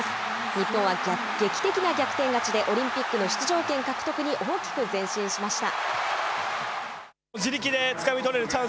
日本は劇的な逆転勝ちで、オリンピックの出場権獲得に大きく前進しました。